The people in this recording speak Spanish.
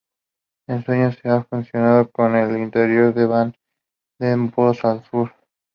El suelo se ha fusionado con el interior de van den Bos al sur.